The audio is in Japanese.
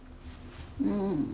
うん。